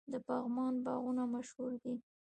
د پغمان باغونه مشهور دي.